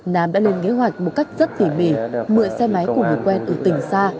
nam đã lên kế hoạch một cách rất tỉ mỉ mượn xe máy của người quen ở tỉnh xa